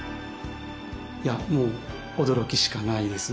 もう驚きしかないですね。